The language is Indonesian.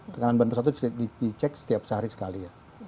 tekanan ban pesawat itu dicek setiap sehari sekali